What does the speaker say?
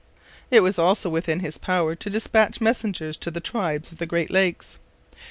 It was also within his power to dispatch messengers to the tribes of the Great Lakes.